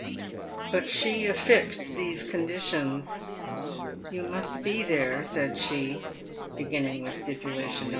But she affixed these conditions :" You must be there," said she, beginning with stipulation No.